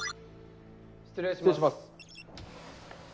・失礼します。